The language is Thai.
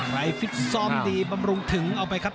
ฟิตซ้อมดีบำรุงถึงเอาไปครับ